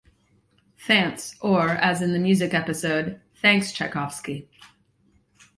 Thants," or as in the Music episode, "Thanks Tchaikovsky.